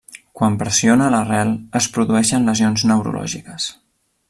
Quan pressiona l'arrel, es produeixen lesions neurològiques.